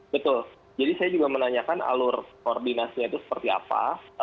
betul jadi saya juga menanyakan alur koordinasinya itu seperti apa